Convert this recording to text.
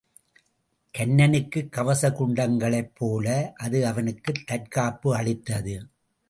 கன்னனுக்குக் கவச குண்டலங்களைப்போல அது அவனுக்குத் தற்காப்பு அளித்தது.